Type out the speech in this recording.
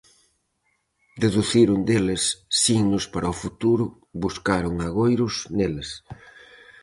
Deduciron deles signos para o futuro, buscaron agoiros neles.